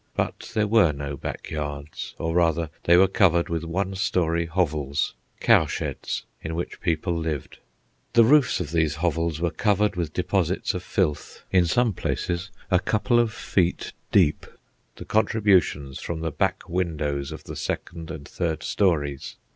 But there were no back yards, or, rather, they were covered with one storey hovels, cowsheds, in which people lived. The roofs of these hovels were covered with deposits of filth, in some places a couple of feet deep—the contributions from the back windows of the second and third storeys.